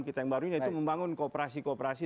kita yang baru yaitu membangun kooperasi kooperasi